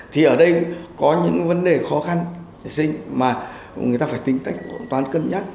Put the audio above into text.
thì ở đây có những vấn đề khó khăn mà người ta phải tính toán cân nhắc